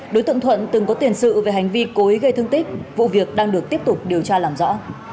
đối tượng thuận từng có tiền sự về hành vi cố ý gây thương tích vụ việc đang được tiếp tục điều tra làm rõ